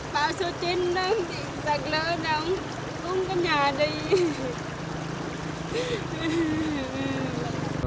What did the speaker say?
bao số trên đất sạc lỡ nó cũng có nhà đây